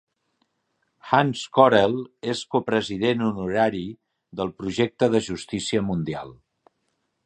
Hans Corell és copresident honorari del projecte de justícia mundial.